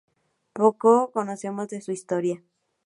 Poco conocemos de su historia.